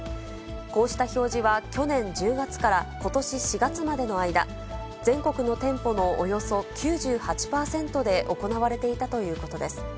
こうした表示は去年１０月からことし４月までの間、全国の店舗のおよそ９８％で行われていたということです。